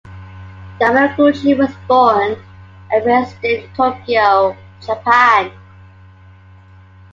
Yamaguchi was born and raised in Tokyo, Japan.